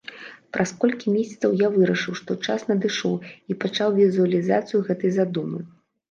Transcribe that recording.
Праз колькі месяцаў я вырашыў, што час надышоў, і пачаў візуалізацыю гэтай задумы.